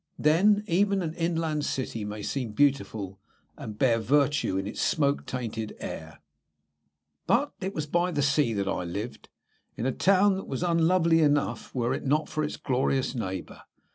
Then even an inland city may seem beautiful, and bear virtue in its smoke tainted air. But it was by the sea that I lived, in a town that was unlovely enough were it not for its glorious neighbour.